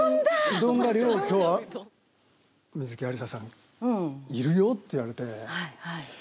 うどんが、亮、観月ありささんいるよって言われて。